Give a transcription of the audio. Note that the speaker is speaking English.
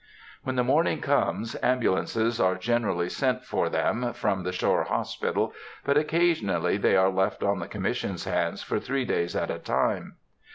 When the morning comes, ambulances are generally sent for them from the shore hospital, but occasionally they are left on the Commission's hands for three days at a time.